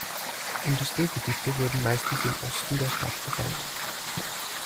Industriegebiete wurden meistens im Osten der Stadt gebaut.